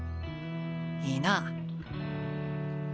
いいな。